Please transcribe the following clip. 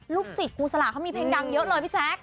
ลูกสิทธิ์กูสละเขามีเพลงดังเยอะเลยพี่แจ๊ค